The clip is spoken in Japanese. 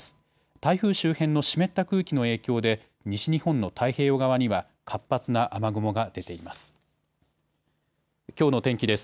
台風周辺の湿った空気の影響で西日本の太平洋側には活発な雨雲が出ています。